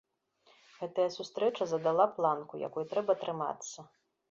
Гэтая сустрэча задала планку, якой трэба трымацца.